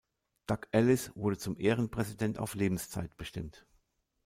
Doug Ellis wurde zum Ehrenpräsidenten auf Lebenszeit bestimmt.